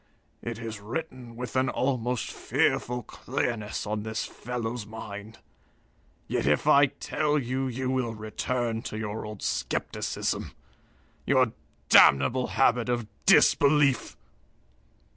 It is written with an almost fearful clearness on this fellow's mind. Yet if I tell you, you will return to your old skepticism your damnable habit of disbelief!"